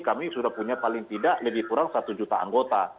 kami sudah punya paling tidak lebih kurang satu juta anggota